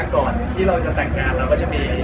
ก่อนที่เราจะแต่งงานเราก็จะมี